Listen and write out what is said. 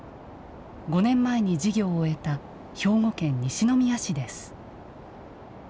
５年前に事業を終えた兵庫県西宮市です。